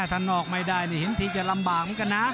ถ้านอกไม่ได้นี่เห็นทีจะลำบากเหมือนกันนะ